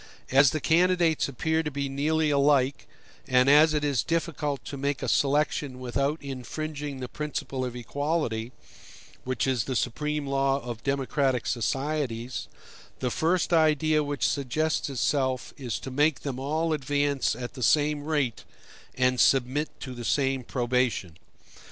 As the candidates appear to be nearly alike, and as it is difficult to make a selection without infringing the principle of equality, which is the supreme law of democratic societies, the first idea which suggests itself is to make them all advance at the same rate and submit to the same probation.